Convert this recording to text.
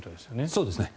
そうですね。